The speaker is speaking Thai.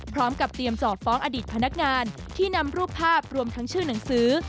พร้อมกับเตรียมจอดฟ้องอดีตพนักงานที่นำรูปภาพรวมทั้งชื่อหนังสือ